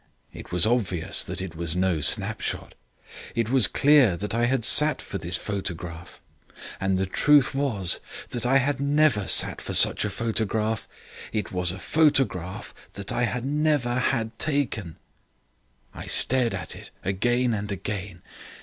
It was obvious that it was no snapshot; it was clear that I had sat for this photograph. And the truth was that I had never sat for such a photograph. It was a photograph that I had never had taken. "I stared at it again and again.